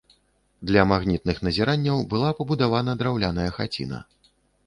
Для магнітных назіранняў была пабудавана драўляная хаціна.